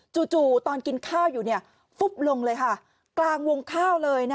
ตอนกินข้าวอยู่ฟุบลงเลยค่ะกลางวงข้าวเลย